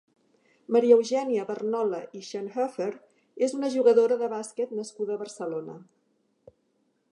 Maria Eugènia Barnola i Schönhöfer és una jugadora de bàsquet nascuda a Barcelona.